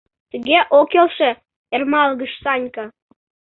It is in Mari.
— Тыге ок келше, — ӧрмалгыш Санька.